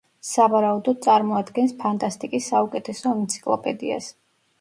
სავარაუდოდ წარმოადგენს ფანტასტიკის საუკეთესო ენციკლოპედიას.